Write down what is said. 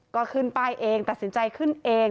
ก็ขึ้นป้ายเองตัดสินใจขึ้นเอง